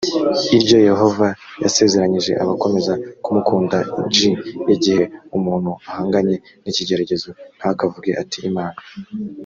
iryo yehova yasezeranyije abakomeza kumukunda g igihe umuntu ahanganye n ikigeragezo ntakavuge ati imana